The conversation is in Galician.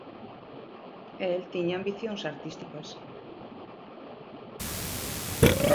E el tiña ambicións artísticas.